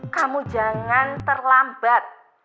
kamu jangan terlambat